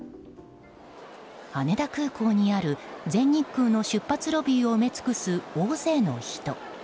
羽田空港にある全日空の出発ロビーを埋め尽くす大勢の人。